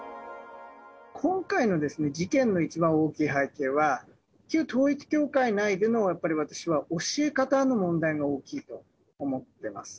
今回の事件の一番大きい背景は、旧統一教会内での、やっぱり私は、教え方の問題が大きいと思ってます。